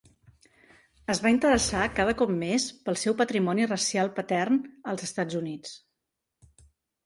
Es va interessar cada cop més pel seu patrimoni racial patern als Estats Units.